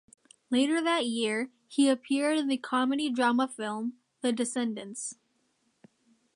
Later that year, he appeared in the comedy-drama film "The Descendants".